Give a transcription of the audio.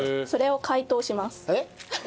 それを解凍します。